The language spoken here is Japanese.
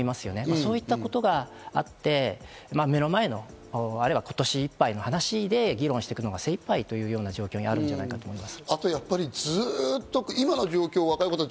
そういったことがあって目の前の、あるいは今年いっぱいの話で議論していくのが精一杯というような状況があるんじゃないかと思います。